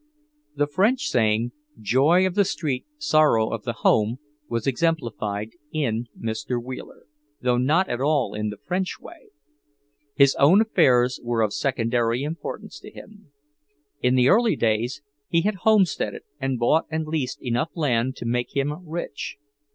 The French saying, "Joy of the street, sorrow of the home," was exemplified in Mr. Wheeler, though not at all in the French way. His own affairs were of secondary importance to him. In the early days he had homesteaded and bought and leased enough land to make him rich.